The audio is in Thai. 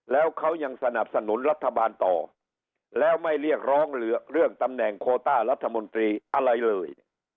แล้วเขายังสนับสนุนรัฐบาลต่อแล้วไม่เรียกร้องเรื่องตำแหน่งโคต้ารัฐมนตรีอะไรเลย